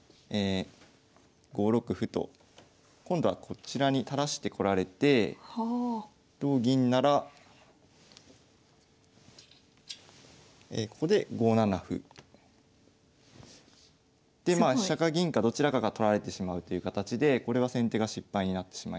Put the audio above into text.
５六歩と今度はこちらに垂らしてこられて同銀ならここで５七歩。でまあ飛車か銀かどちらかが取られてしまうという形でこれは先手が失敗になってしまいます。